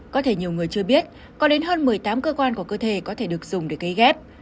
có thể nhiều người chưa biết có đến hơn một mươi tám cơ quan của cơ thể có thể được dùng để cấy ghép